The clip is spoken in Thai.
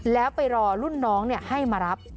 แล้วไปรอรุ่นน้องให้มารับ